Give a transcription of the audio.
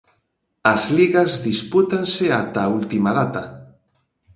As ligas dispútanse ata a última data.